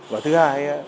và thứ hai